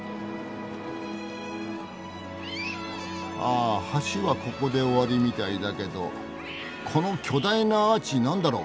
あ橋はここで終わりみたいだけどこの巨大なアーチ何だろう？